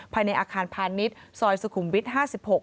ภายในอาคารพาณิชย์ซอยสุขุมวิท๕๖